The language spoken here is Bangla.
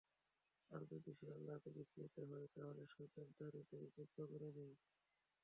আর যদি সে আল্লাহকে বিস্মৃত হয়, তাহলে শয়তান তার হৃদয়কে কব্জা করে নেয়।